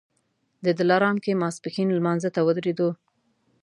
د دلارام کې ماسپښین لمانځه ته ودرېدو.